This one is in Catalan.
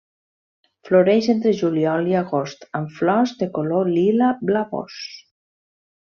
Floreix entre juliol i agost, amb flors de color lila blavós.